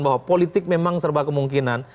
bahwa politik memang serba kemungkinan